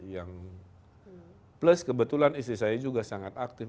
yang plus kebetulan istri saya juga sangat aktif